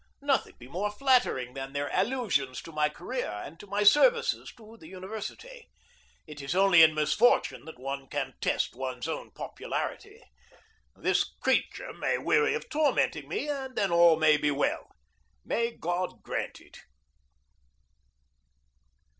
Nothing could be more flattering than their allusions to my career and to my services to the university. It is only in misfortune that one can test one's own popularity. This creature may weary of tormenting me, and then all may yet be well. May God grant it!